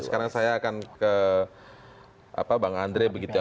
sekarang saya akan ke bang andre begitu ya